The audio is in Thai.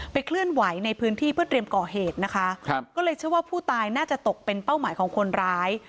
เคลื่อนไหวในพื้นที่เพื่อเตรียมก่อเหตุนะคะครับก็เลยเชื่อว่าผู้ตายน่าจะตกเป็นเป้าหมายของคนร้าย